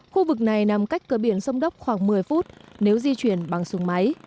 khu vực này nằm cách cửa biển sông đốc khoảng một mươi phút nếu di chuyển bằng súng máy